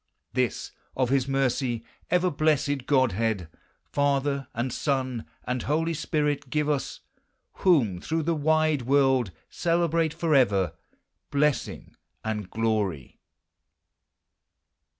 L23 This, of his mercy, ever blessed Godhead, Father, and Son, and Boly Spirit, give ns, — Whom through the wide world celebrate forever Blessing and glory